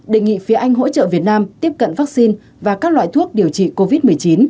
đề nghị phía anh hỗ trợ việt nam tiếp cận vaccine và các loại thuốc điều trị covid một mươi chín